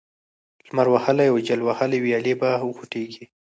لمر وهلې او جل وهلې ويالې به وخوټېږي،